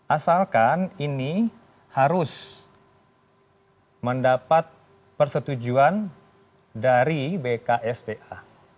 asalkan ini harus mendapat persetujuan dari bksda